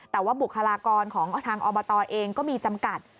แต่ว่าบุคลากรของทางอบตเองก็มีจำกัด